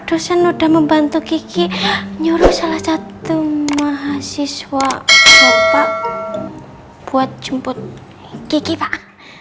dosen udah membantu kiki nyuruh salah satu mahasiswa bapak buat jemput kiki pak